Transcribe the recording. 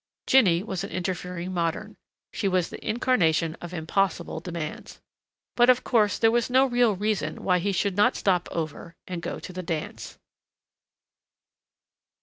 Jinny was an interfering modern. She was the incarnation of impossible demands. But of course there was no real reason why he should not stop over and go to the dance.